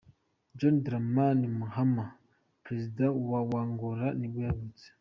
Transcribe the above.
John Dramani Mahama, perezida wa wa Angola nibwo yavutse.